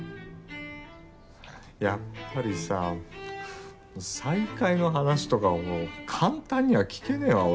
やっぱりさ再会の話とかはもう簡単には聞けねえわ俺。